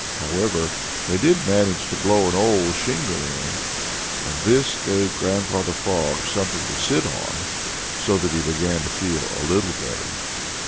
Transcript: However, they did manage to blow an old shingle in, and this gave Grandfather Frog something to sit on, so that he began to feel a little better.